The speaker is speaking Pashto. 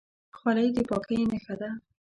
خولۍ د پاکۍ نښه ده.